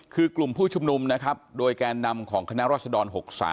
คือกลุ่มผู้ชุมนุมนะครับโดยแกนนำของคณะรัศดร๖๓